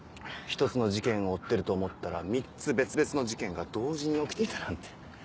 １つの事件を追ってると思ったら３つ別々の事件が同時に起きていたなんて。